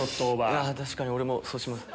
確かに俺もそうします。